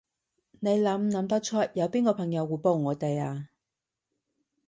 你諗唔諗得出，你有邊個朋友會幫我哋啊？